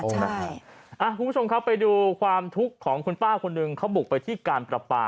คุณผู้ชมครับไปดูความทุกข์ของคุณป้าคนหนึ่งเขาบุกไปที่การประปา